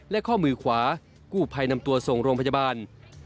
และข้อมือขวากู้ภัยนำตัวส่งโรงพยาบาล